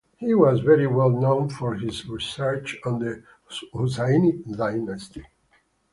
He was very well known for his research on the Husainid dynasty.